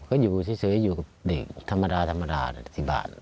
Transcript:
ก็อยู่เฉยอยู่กับเด็กธรรมดาธรรมดา๑๐บาท